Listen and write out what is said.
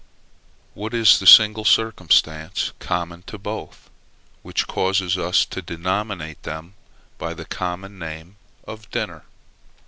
What is the single circumstance common to both, which causes us to denominate them by the common name of dinner?